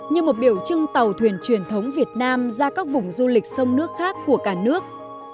như một biểu trưng tàu thuyền truyền thống việt nam ra các vùng du lịch sông nước khác của cả nước